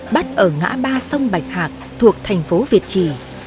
bắt ở ngã ba sông bạch hạc thuộc thành phố việt trì